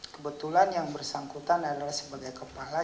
kebetulan yang bersangkutan adalah sebagai kepala